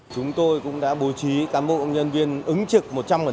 chúng tôi cũng đã bố trí cán bộ nhân viên ứng trực một trăm linh